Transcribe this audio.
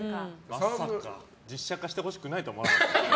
まさか実写化してほしくないと思わなかった。